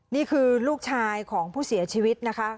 นี่คือลูกชายของผู้เสียชีวิตนะคะ